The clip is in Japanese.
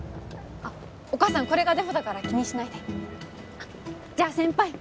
お母さんこれがデフォだから気にしないでじゃあ先輩